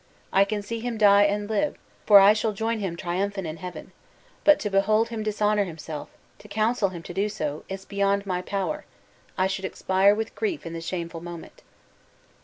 I can see him die and live for I shall join him triumphant in Heaven; but to behold him dishonor himself, to counsel him so to do, is beyond my power I should expire with grief in the shameful moment!"